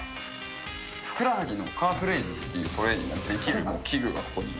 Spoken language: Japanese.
ふくらはぎのカーフレイズっていうトレーニングができる器具がここに。